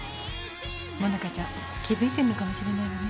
萌奈佳ちゃん気づいてるのかもしれないわね。